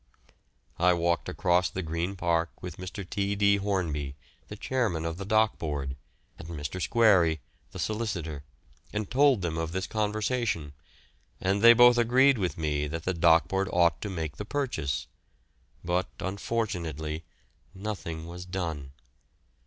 I walked across the Green Park with Mr. T. D. Hornby, the chairman of the Dock Board, and Mr. Squarey, the solicitor, and told them of this conversation, and they both agreed with me that the Dock Board ought to make the purchase, but, unfortunately, nothing was done.